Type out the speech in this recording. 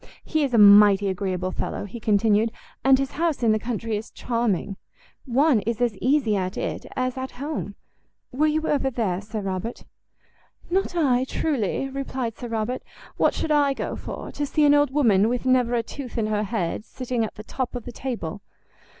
"He is a mighty agreeable fellow," he continued, "and his house in the country is charming. One is as easy at it as at home. Were you ever there, Sir Robert?" "Not I, truly," replied Sir Robert; "what should I go for? to see an old woman with never a tooth in her head sitting at the top of the table!